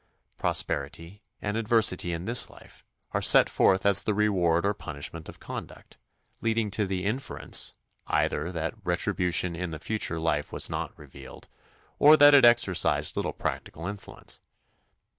Prosperity and adversity in this life are set forth as the reward or punishment of conduct, leading to the inference, either that retribution in the future life was not revealed, or that it exercised little practical influence.